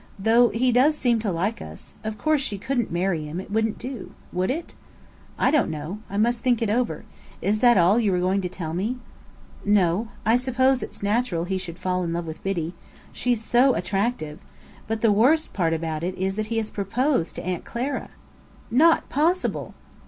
Though he does seem so like us. Of course she couldn't marry him. It wouldn't do. Would it?" "I don't know. I must think it over. Is that all you were going to tell me?" "No. I suppose it's natural he should fall in love with Biddy. She's so attractive! But the worst part about it is that he has proposed to Aunt Clara." "Not possible!"